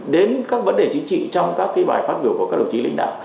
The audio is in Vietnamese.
đến các vấn đề chính trị trong các bài phát biểu của các đồng chí lãnh đạo